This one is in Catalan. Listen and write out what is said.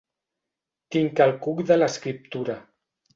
Tinc el cuc de l'escriptura.